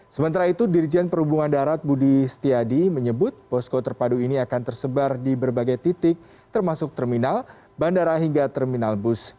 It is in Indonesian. sementara itu dirjen perhubungan darat budi setiadi menyebut posko terpadu ini akan tersebar di berbagai titik termasuk terminal bandara hingga terminal bus